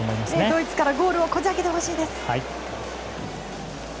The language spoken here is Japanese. ドイツからゴールをこじ開けてほしいです。